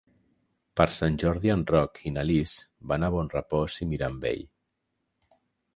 Per Sant Jordi en Roc i na Lis van a Bonrepòs i Mirambell.